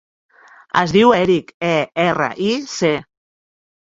Es diu Eric: e, erra, i, ce.